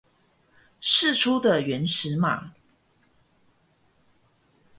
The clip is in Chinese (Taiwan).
釋出的原始碼